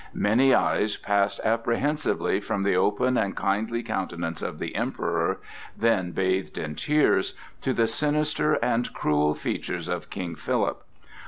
Many eyes passed apprehensively from the open and kindly countenance of the Emperor, then bathed in tears, to the sinister and cruel features of King Philip.